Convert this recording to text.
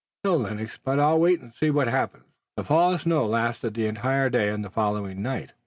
"No, Lennox, but I'll wait and see what happens." The fall of snow lasted the entire day and the following night.